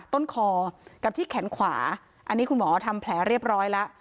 ต้นคอกับที่แขนขวาอันนี้คุณหมอทำแผลเรียบร้อยแล้ว